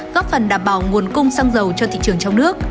góp phần đảm bảo nguồn cung xăng dầu cho thị trường trong nước